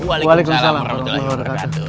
waalaikumsalam warahmatullahi wabarakatuh